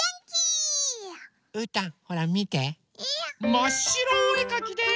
まっしろおえかきです！